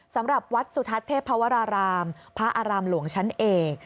สำหรับวัดสุทัศน์เทพวรารามพระอารามหลวงชั้นเอก